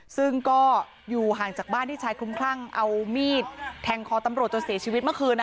ซึ่งก็อยู่ห่างจากบ้านที่ชายคลุมคลั่งเอามีดแทงคอตำรวจจนเสียชีวิตเมื่อคืน